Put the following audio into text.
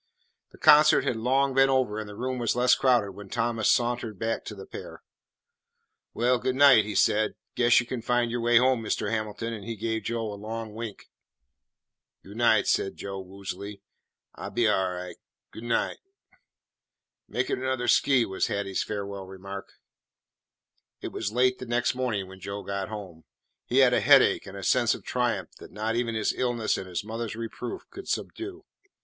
The concert had long been over and the room was less crowded when Thomas sauntered back to the pair. "Well, good night," he said. "Guess you can find your way home, Mr. Hamilton;" and he gave Joe a long wink. "Goo' night," said Joe, woozily, "I be a' ri'. Goo' night." "Make it another 'skey," was Hattie's farewell remark. It was late the next morning when Joe got home. He had a headache and a sense of triumph that not even his illness and his mother's reproof could subdue.